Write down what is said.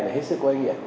là hết sức có ý nghĩa